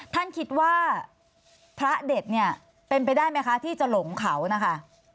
ท่านคิดว่าพระเด็ดเนี่ยเป็นไปได้ไหมคะที่จะหลงเขานะคะ